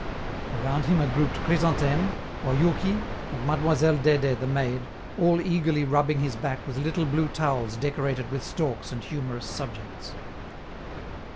Around him are grouped Chrysantheme, Oyouki, and Mademoiselle Dede the maid, all eagerly rubbing his back with little blue towels decorated with storks and humorous subjects.